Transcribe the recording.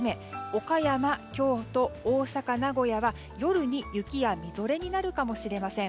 岡山、京都、大阪、名古屋は夜に雪やみぞれになるかもしれません。